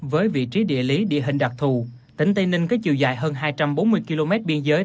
với vị trí địa lý địa hình đặc thù tỉnh tây ninh có chiều dài hơn hai trăm bốn mươi km biên giới